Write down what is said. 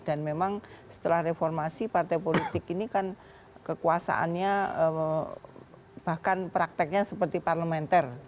dan memang setelah reformasi partai politik ini kan kekuasaannya bahkan prakteknya seperti parlementer